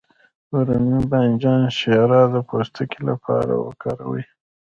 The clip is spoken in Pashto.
د رومي بانجان شیره د پوستکي لپاره وکاروئ